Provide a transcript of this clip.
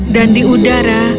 dan di udara